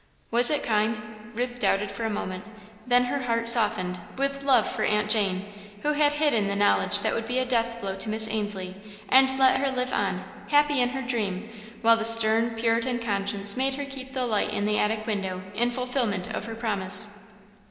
Was it kind? Ruth doubted for a moment, then her heart softened with love for Aunt Jane, who had hidden the knowledge that would be a death blow to Miss Ainslie, and let her live on, happy in her dream, while the stern Puritan conscience made her keep the light in the attic window in fulfilment of her promise.